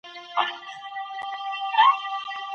پښتو د ټولو پښتنو د ګډ هویت او فکر استازیتوب کوي.